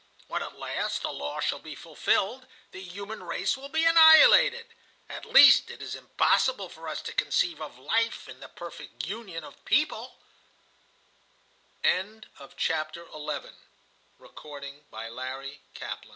When at last the law shall be fulfilled, the Human Race will be annihilated. At least it is impossible for us to conceive of Life in the perfect union of people." CHAPTER XII. "Strange theory!" cried I.